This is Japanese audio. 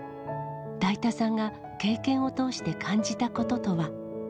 だいたさんが経験を通して感じたこととは。